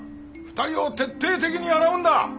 ２人を徹底的に洗うんだ！